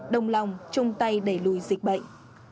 đồng lòng chung tay đẩy lùi dịch bệnh